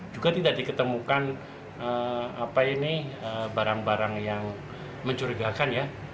juga tidak diketemukan barang barang yang mencurigakan ya